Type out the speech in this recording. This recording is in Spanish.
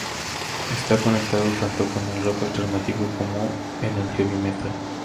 Está conectado tanto con el rock alternativo como con el heavy metal.